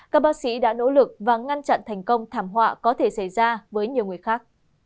các bác sĩ đã nỗ lực và ngăn chặn thành công thảm họa có thể xảy ra với nhiều người khác